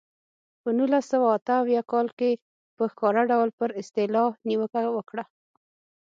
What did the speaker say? په نولس سوه اته اویا کال کې په ښکاره ډول پر اصطلاح نیوکه وکړه.